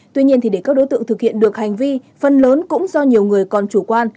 tuy nhiên để các đối tượng thực hiện được hành vi phần lớn cũng do nhiều người còn chủ quan